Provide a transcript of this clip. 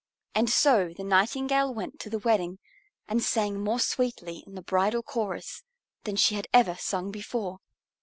And so the Nightingale went to the wedding and sang more sweetly in the bridal chorus than she had ever sung before.